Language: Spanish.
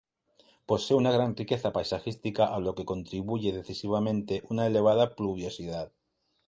Posee la una gran riqueza paisajística, a lo que contribuye decisivamente una elevada pluviosidad.